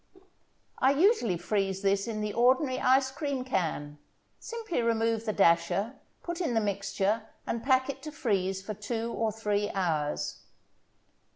I usually freeze this in the ordinary ice cream can; simply remove the dasher, put in the mixture and pack it to freeze for two or three hours.